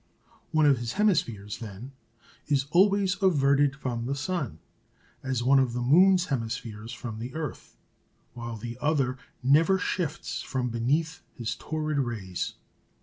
One of his hemispheres, then, is always averted from the sun, as one of the moon's hemispheres from the earth, while the other never shifts from beneath his torrid rays.